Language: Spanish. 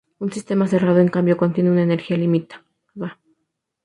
Un sistema cerrado en cambio contiene una energía limitada.